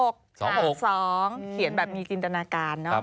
เขียนแบบมีจินตนาการ